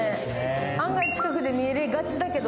案外近くで見れがちだけど。